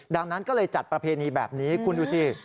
ดังนั้นก็เลยจัดประเพณีแบบนี้คุณดูสิ